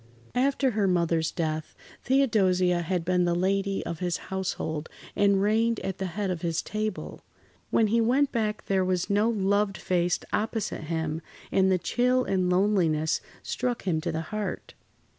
After her mother's death, Theodosia had been the lady of his household and reigned at the head of his table. When he went back there was no loved face opposite him, and the chill and loneliness struck him to the heart.